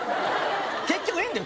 結局いいんだよ